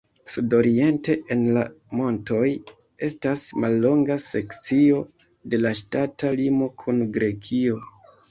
Sudoriente en la montoj estas mallonga sekcio de la ŝtata limo kun Grekio.